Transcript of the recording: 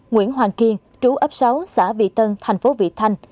nguyễn hoàng kiên trú ấp sáu xã vị tân thành phố vị thanh